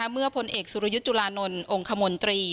เมื่อพลเอกสุรยุทธ์จุลานนท์องค์คมนตรี